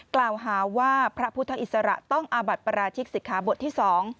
กล่าวหาว่าพระพุทธอิสระต้องอาบัติปราชิกสิกขาบทที่๒